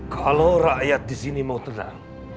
kalau rakyat di sini mau tenang